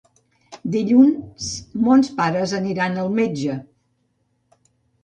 Dilluns mons pares aniran al metge.